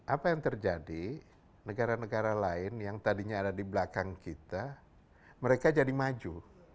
apa yang terjadi negara negara lain yang tadinya ada di belakang kita mereka jadi maju